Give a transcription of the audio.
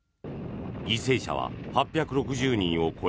犠牲者は８６０人を超え